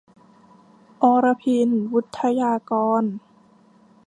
อรพิณ วุฑฒยากร